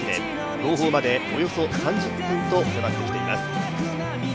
号砲までおよそ３０分となってきています。